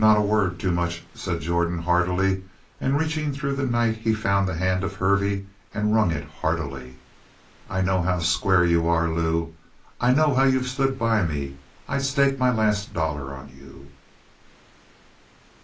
"Not a word too much," said Jordan heartily, and reaching through the night he found the hand of Hervey and wrung it heartily. "I know how square you are, Lew. I know how you've stood by me. I'd stake my last dollar on you!"